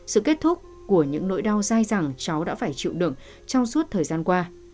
sự kết thúc của những nỗi đau dai dẳng cháu đã phải chịu đựng trong suốt thời gian qua